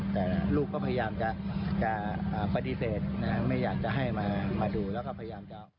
แต่ลูกก็พยายามจะปฏิเสธไม่อยากจะให้มาดูแล้วก็พยายามจะ